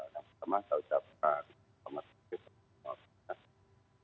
yang pertama saya ucapkan